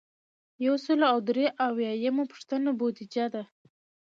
یو سل او درې اویایمه پوښتنه بودیجه ده.